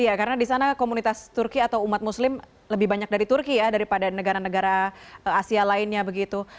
iya karena di sana komunitas turki atau umat muslim lebih banyak dari turki ya daripada negara negara asia lainnya begitu